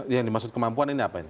yang dimaksud kemampuan ini apa ini